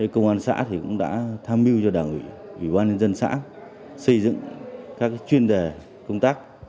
công an xã cũng đã tham mưu cho đảng ủy ủy ban nhân dân xã xây dựng các chuyên đề công tác